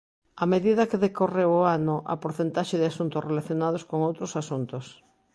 A medida que decorreu o ano, a porcentaxe de asuntos relacionados con outros asuntos.